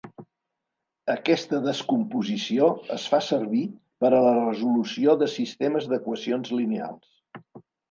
Aquesta descomposició es fa servir per a la resolució de sistemes d'equacions lineals.